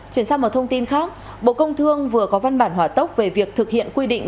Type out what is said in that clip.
chuyển sang một thông tin khác bộ công thương vừa có văn bản hỏa tốc về việc thực hiện quy định